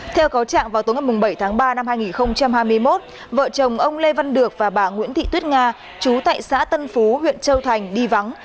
theo cáo trạng vào tối ngày bảy tháng ba năm hai nghìn hai mươi một vợ chồng ông lê văn được và bà nguyễn thị tuyết nga chú tại xã tân phú huyện châu thành đi vắng